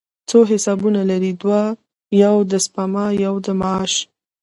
څو حسابونه لرئ؟ دوه، یو د سپما، یو د معاش